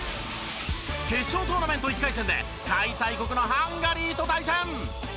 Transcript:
決勝トーナメント１回戦で開催国のハンガリーと対戦。